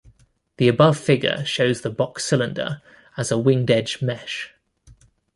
The above figure shows the "box-cylinder" as a winged-edge mesh.